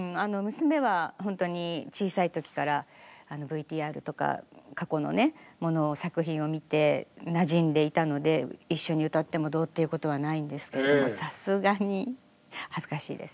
娘はほんとに小さい時からＶＴＲとか過去のものを作品を見てなじんでいたので一緒に歌ってもどうっていうことはないんですけどもさすがに恥ずかしいです。